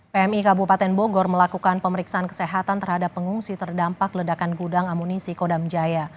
pmi kabupaten bogor melakukan pemeriksaan kesehatan terhadap pengungsi terdampak ledakan gudang amunisi kodam jaya